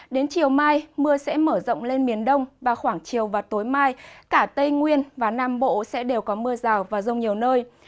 đến chiều mai mưa sẽ mở rộng lên miền đông và khoảng chiều và tối mai cả tây nguyên và nam bộ sẽ đều có mưa rào và rông nhiều nơi